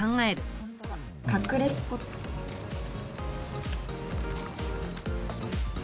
「隠れスポット」とか。